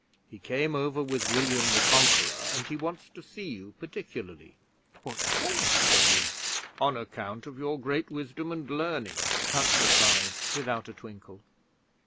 He came over with William the Conqueror, and he wants to see you particularly.' 'What for?' said Una. 'On account of your great wisdom and learning,' Puck replied, without a twinkle.